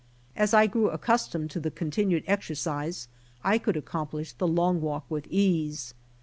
As I grew accustomed to the continued exercise, I could accomplish the long walk with ease.